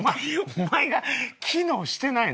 お前が機能してないのよなんも。